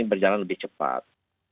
berjalan lebih cepat